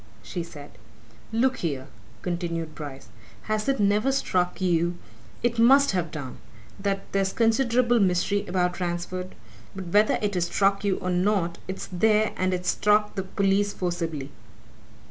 she said. "Look here!" continued Bryce. "Has it never struck you it must have done! that there's considerable mystery about Ransford? But whether it has struck you or not, it's there, and it's struck the police forcibly.